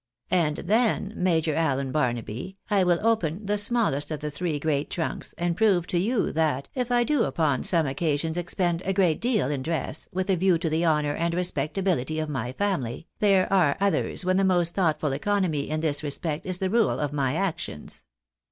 And, then. Major Allen Barnaby, I will open the smallest of the three great trunks, and prove to you that, if I do upon some occasions expend a great deal in dress, with a view to the honour and respectability of my family, there are others when the most thoughtful economy in this respect is the rule of my actions.